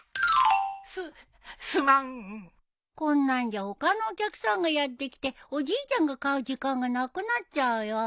こんなんじゃ他のお客さんがやって来ておじいちゃんが買う時間がなくなっちゃうよ。